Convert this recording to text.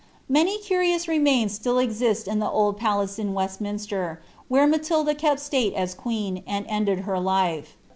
Many curious remains still exist of the old pafacc in WeaUniiutoi where Matilda kept slate as queen, and ended her life.